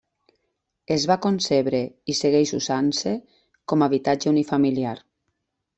Es va concebre i segueix usant-se com a habitatge unifamiliar.